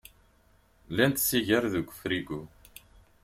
Llant tsigar deg ufrigu.